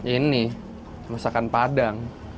ini masakan padang